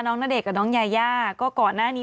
ณเดชน์กับน้องยายาก็ก่อนหน้านี้